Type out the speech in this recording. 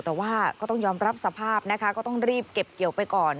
แต่ว่าก็ต้องยอมรับสภาพนะคะก็ต้องรีบเก็บเกี่ยวไปก่อน